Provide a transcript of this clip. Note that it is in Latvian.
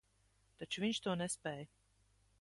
Taču viņš to nespēj.